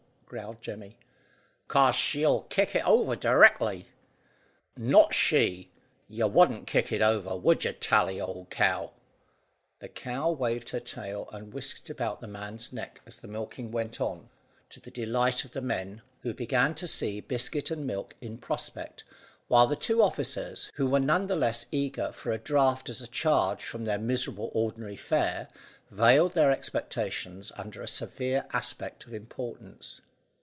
growled Jemmy. "'Cause she'll kick it over directly." "Not she. You wouldn't kick it over, would you, Tally, old cow?" The cow waved her tail and whisked it about the man's neck as the milking went on, to the delight of the men, who began to see biscuit and milk in prospect, while the two officers, who were none the less eager for a draught as a change from their miserable ordinary fare, veiled their expectations under a severe aspect of importance.